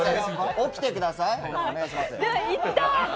起きてください。